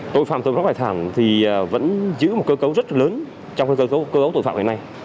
tội phạm tội phạm tội phạm thì vẫn giữ một cơ cấu rất là lớn trong cơ cấu tội phạm ngày nay